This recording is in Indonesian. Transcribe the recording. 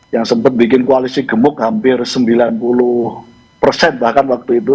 yang sempat bikin koalisi gemuk hampir sembilan puluh persen bahkan waktu itu